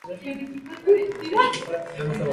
El cuarto tema es el tema de Der König von St.